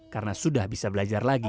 karena sudah bisa belajar lagi